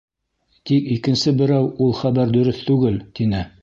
Тик икенсе берәү, ул хәбәр дөрөҫ түгел, тине.